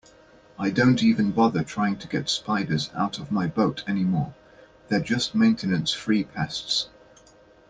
I don't even bother trying to get spiders out of my boat anymore, they're just maintenance-free pets.